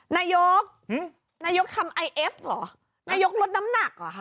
นายกนายกทำไอเอฟเหรอนายกลดน้ำหนักเหรอคะ